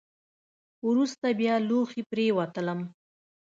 وروسته بیا لوښي پرېولم .